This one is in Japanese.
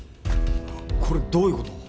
これどういうこと？